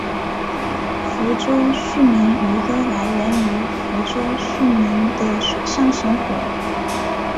福州疍民渔歌来源于福州疍民的水上生活。